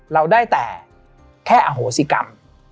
เราได้แต่แค่อโหสิกรรม